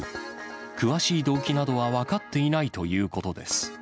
詳しい動機などは分かっていないということです。